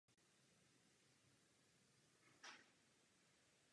Rozlohou představuje největší letiště v Brazílii.